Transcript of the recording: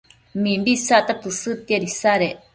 mimbi isacta tësëdtiad isadec